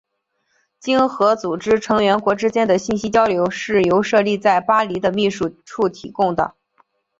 经合组织成员国之间的信息交流是由设立在巴黎的秘书处提供的。